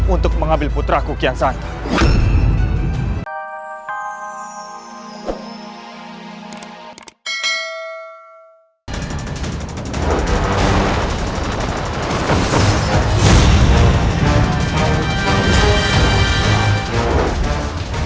untuk mengambil putra kukian santai